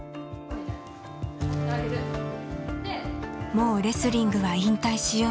もうレスリングは引退しよう。